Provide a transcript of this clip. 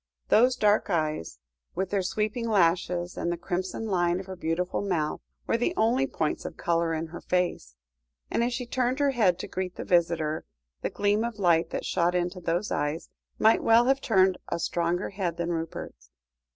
Those dark eyes with their sweeping lashes, and the crimson line of her beautiful mouth, were the only points of colour in her face, and as she turned her head to greet the visitor, the gleam of light that shot into those eyes, might well have turned a stronger head than Rupert's.